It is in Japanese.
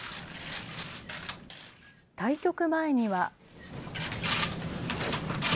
対局前には。